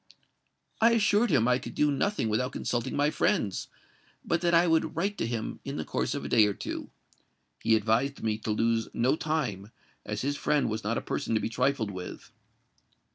"I assured him that I could do nothing without consulting my friends; but that I would write to him in the course of a day or two. He advised me to lose no time; as his friend was not a person to be trifled with."